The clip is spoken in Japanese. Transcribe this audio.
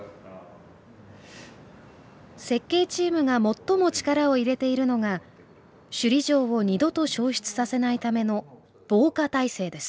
設計チームが最も力を入れているのが首里城を二度と焼失させないための防火体制です。